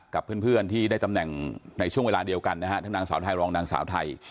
กับเพื่อนที่ได้ตำแหน่งในช่วงเวลาเดียวกันนะฮะทั้งนางสาวไทยรองนางสาวไทย